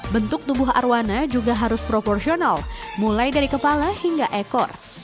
bentuk tubuh arwana juga harus proporsional mulai dari kepala hingga ekor